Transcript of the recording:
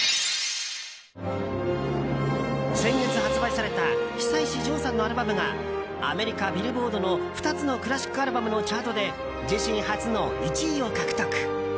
先月発売された久石譲さんのアルバムがアメリカ、ビルボードの２つのクラシックアルバムのチャートで自身初の１位を獲得。